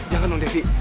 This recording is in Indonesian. jangan dong devi